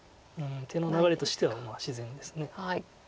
手の流れとしては自然です。